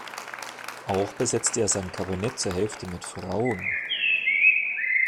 Auch besetzte er sein Kabinett zur Hälfte mit Frauen.